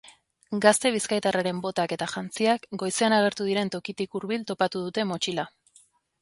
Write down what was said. Gazte bizkaitarraren botak eta jantziak goizean agertu diren tokitik hurbil topatu dute motxila.